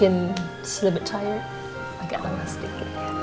dan agak sedikit penat agak lama sedikit